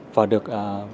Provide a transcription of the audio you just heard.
và đã được tối ưu